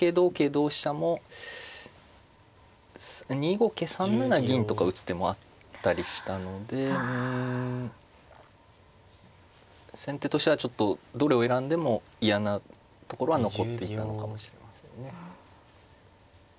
同飛車も２五桂３七銀とか打つ手もあったりしたので先手としてはちょっとどれを選んでも嫌なところは残っていたのかもしれませんね。